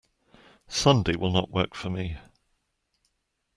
Sunday will not work for me.